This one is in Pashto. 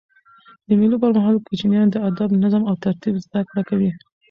د مېلو پر مهال کوچنيان د ادب، نظم او ترتیب زدهکړه کوي.